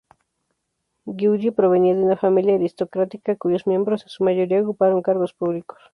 Giulio provenía de una familia aristocrática cuyos miembros en su mayoría ocuparon cargos públicos.